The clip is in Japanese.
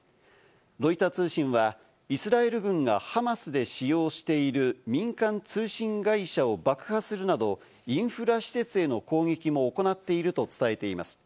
ロイター通信はイスラエル軍がハマスで使用している民間通信会社を爆破するなど、インフラ施設への攻撃も行っていると伝えています。